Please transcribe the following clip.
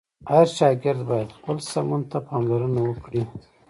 هر شاګرد باید خپل سمون ته پاملرنه وکړه.